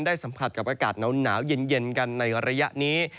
สัมผัสกับอากาศหนาวเย็นกันในระยะนี้